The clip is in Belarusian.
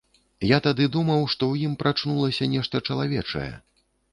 Я тады думаў, што ў ім прачнулася нешта чалавечае.